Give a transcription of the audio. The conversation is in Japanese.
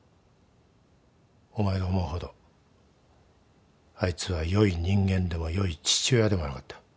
お前が思うほどあいつは良い人間でも良い父親でもなかった。